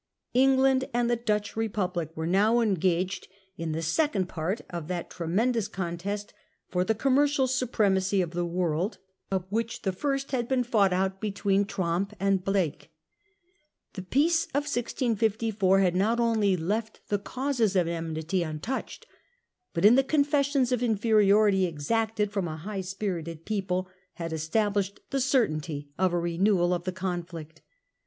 England and the Dutch Republic were now engaged in the second part of that tremendous contest for the commercial supremacy of the world, of which the first had been fought out between Tromp and Blake. The peace of 1654 had not only left the causes of enmity untouched, but, in the confessions of inferiority exacted from a high spirited people, had established the certainty of a renewal of the conflict.